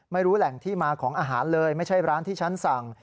ไม่รู้แหล่งที่มาของอาหารเลยไม่ใช่ร้านที่ฉันสั่ง